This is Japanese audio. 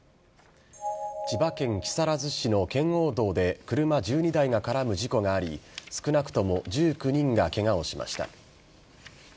千葉県木更津市の圏央道で車１２台が絡む事故があり少なくとも１９人がケガをしました。